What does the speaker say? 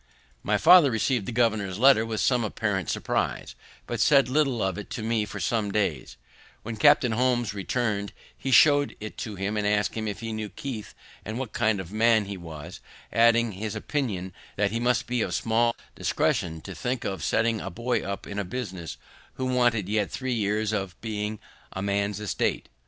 My father received the governor's letter with some apparent surprise, but said little of it to me for some days, when Capt. Holmes returning he show'd it to him, asked him if he knew Keith, and what kind of man he was; adding his opinion that he must be of small discretion to think of setting a boy up in business who wanted yet three years of being at man's estate.